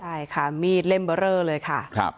ใช่ค่ะมีดเล่มเบอร์เรอเลยค่ะ